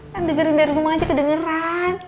kan dengerin dari rumah aja kedengeran